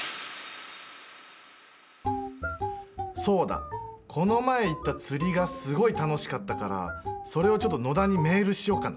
そうだこの前行った釣りがすごい楽しかったからそれをちょっと野田にメールしようかな。